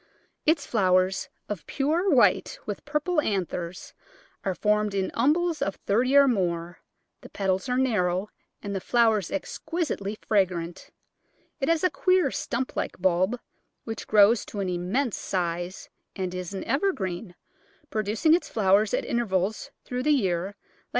Its flowers, of pure white with purple anthers, are formed in umbels of thirty or more; the petals are narrow and the flowers exquisitely fragrant. It has a queer stump like bulb which grows to an immense size, and is an evergreen, producing its flowers at in tervals through the year like C.